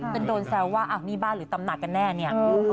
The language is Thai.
เป็นโดนแซวว่าอ้าวนี่บ้านหรือตำหนักกันแน่เนี่ย